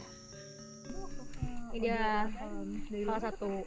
ini dia salah satu